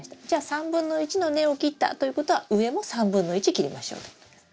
じゃあ３分の１の根を切ったということは上も３分の１切りましょう。